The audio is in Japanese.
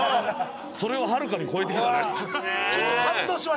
それをはるかに超えてきたね。